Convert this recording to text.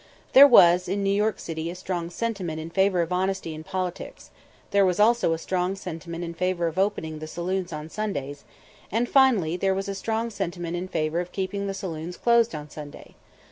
There was in New York City a strong sentiment in favor of honesty in politics; there was also a strong sentiment in favor of opening the saloons on Sundays; and, finally, there was a strong sentiment in favor of keeping the saloons closed on Sunday.